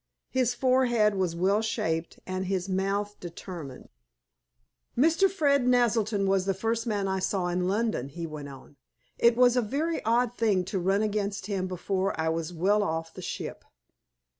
His forehead was well shaped, and his mouth determined. "Mr. Fred Naselton was the first man I saw in London," he went on. "It was a very odd thing to run against him before I was well off the ship."